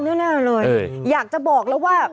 นี่แน่นอนเลยอยากจะบอกแล้วว่า